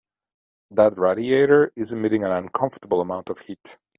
That radiator is emitting an uncomfortable amount of heat.